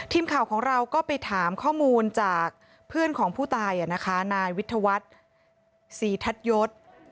ทีมข่าวของเราก็ไปถามข้อมูลจากเพื่อนของผู้ตายนายวิทยาวัฒน์ศรีทัศยศ